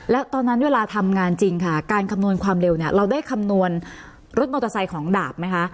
แล้วตอนนั้นเวลาทำงานจริงค่ะการคำนวณความเร็วเนี่ยเราได้คำนวณรถมอเตอร์ไซค์ของดาบไหมคะ